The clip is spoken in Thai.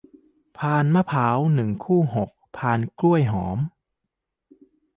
พานมะพร้าว หนึ่ง คู่ หก พานกล้วยหอม